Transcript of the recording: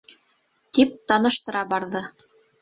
-тип таныштыра барҙы.